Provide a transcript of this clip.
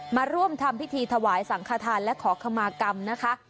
มาร่วมทำพิธีถวายสังขทานและขอขมากรรมนะคะ